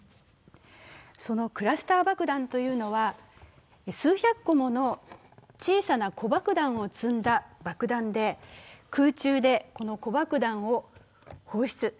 そのクラスター爆弾というのは数百個もの小さな子爆弾を積んだ爆弾で、空中で子爆弾を放出。